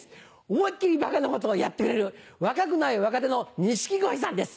思いっ切りばかなことをやってくれる若くない若手の錦鯉さんです